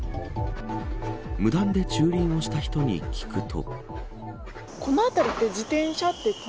無断で駐輪をした人に聞くと。